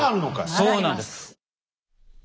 そうなんです。